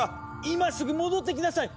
今すぐ戻ってきなさい！